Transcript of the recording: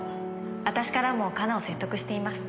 私からも香菜を説得してみます。